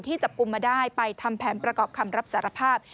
จับกลุ่มมาได้ไปทำแผนประกอบคำรับสารภาพ